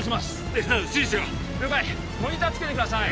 手伝う指示しろ了解モニターつけてください